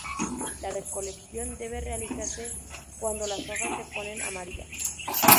La recolección debe realizarse cuando las hojas se ponen amarillas.